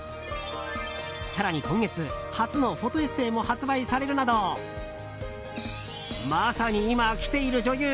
更に今月、初のフォトエッセーも発売されるなどまさに今、きている女優